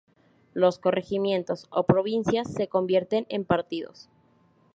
Los corregimientos o provincias, se convierten en partidos.